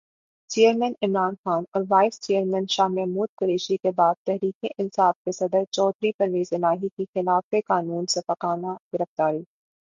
chairman Imran Khan اور vice chairman Shah Mahmood Qureshi کے بعد تحریک انصاف کے صدر چودھری پرویزالہٰی کی خلافِ قانون سفّاکانہ گرفتاری